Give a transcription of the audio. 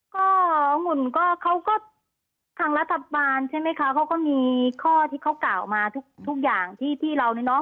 ก็หุ่นก็เขาก็ทางรัฐบาลใช่ไหมคะเขาก็มีข้อที่เขากล่าวมาทุกอย่างที่พี่เราเนี่ยเนาะ